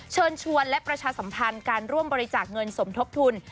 เชิญชวนและประชาสัมพันธ์การร่วมบริจาคเงินสมทบทุน